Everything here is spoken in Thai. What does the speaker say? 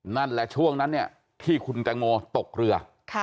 นั่นแหละช่วงนั้นเนี่ยที่คุณแตงโมตกเรือ